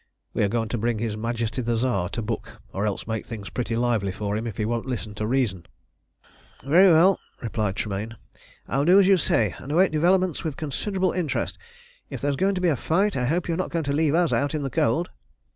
We are going to bring his Majesty the Tsar to book, or else make things pretty lively for him if he won't listen to reason." "Very well," replied Tremayne. "I will do as you say, and await developments with considerable interest. If there is going to be a fight, I hope you're not going to leave us out in the cold."